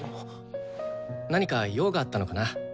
何か用があったのかな？